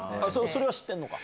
それは知ってるのか？